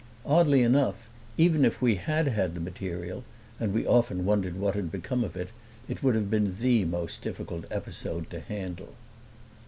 Oddly enough, even if we had had the material (and we often wondered what had become of it), it would have been the most difficult episode to handle.